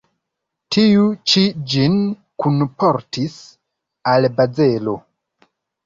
Tiu ĉi ĝin kunportis al Bazelo.